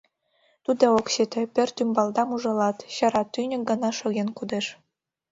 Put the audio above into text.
Тиде ок сите, пӧрт ӱмбалдам ужалат, чара тӱньык гына шоген кодеш...»